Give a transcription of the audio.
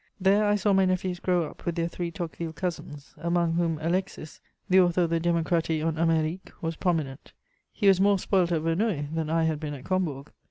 There I saw my nephews grow up with their three Tocqueville cousins, among whom Alexis, the author of the Démocratie en Amérique, was prominent. He was more spoilt at Verneuil than I had been at Combourg.